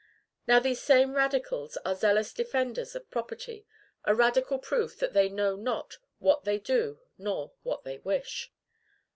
Now, these same radicals are zealous defenders of property, a radical proof that they know not what they do, nor what they wish.